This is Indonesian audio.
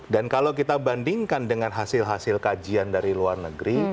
dan kalau kita bandingkan dengan hasil hasil kajian dari luar negeri